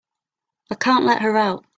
I can't let her out.